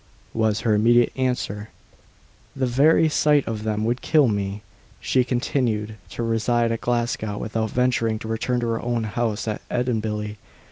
was her immediate answer, "the very sight of them would kill me." She continued to reside at Glasgow, without venturing to return to her own house at Edinbilly.